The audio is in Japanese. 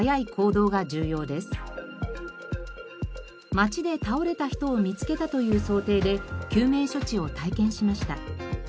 街で倒れた人を見つけたという想定で救命処置を体験しました。